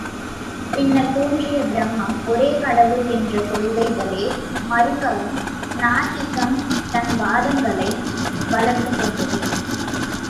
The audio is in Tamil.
பின்னர் தோன்றிய பிரம்மம், ஒரே கடவுள் என்ற கொள்கைகளே மறுக்கவும் நாத்திகம் தன் வாதங்களை வளர்த்துக் கொண்டது.